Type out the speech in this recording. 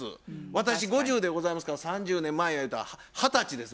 私５０でございますから３０年前やゆうたら二十歳です。